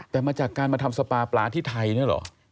แต่มาจากการมาทำสปาปลาที่ไทยเนี่ยเหรอ